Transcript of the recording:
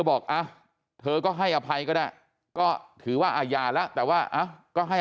บอกอ่ะเธอก็ให้อภัยก็ได้ก็ถือว่าอาญาแล้วแต่ว่าก็ให้